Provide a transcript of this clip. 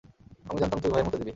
আমি জানতাম তুই ভয়ে মুতে দিবি।